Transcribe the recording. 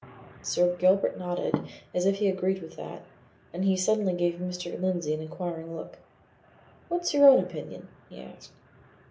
Sir Gilbert nodded his head, as if he agreed with that, and he suddenly gave Mr. Lindsey an inquiring look. "What's your own opinion?" he asked.